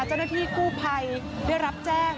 เจ้าหน้าที่กู้ภัยได้รับแจ้ง